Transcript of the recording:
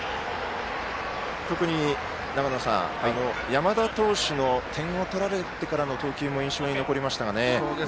特に、長野さん山田投手の点を取られてからの投球も印象に残りましたね。